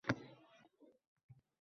— Qancha so’rasang, o’zim beraman!